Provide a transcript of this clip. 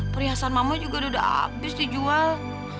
perhiasan mama juga udah habis dijual